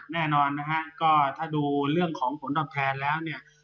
แน่นอนนะฮะก็ถ้าดูเรื่องของผลตอบแทนแล้วเนี่ย